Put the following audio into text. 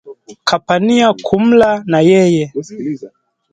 Kapania kumla na yeye